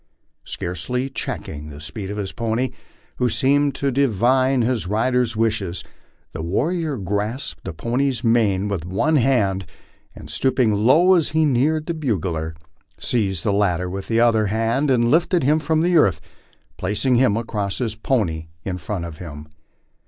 Scarcely checking the speed of his pony, who seemed to divine his rider's wishes, the warrior grasped the pony's mane with one hand and, stooping low as he neared the bugler, seized the latter with the other hand and lifted him from the earth, placing him across his pony in front of him.